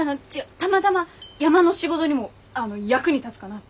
たまたま山の仕事にもあの役に立つかなって。